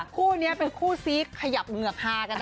คู่นี้เป็นคู่ซีขยับเหงือกฮากันนะ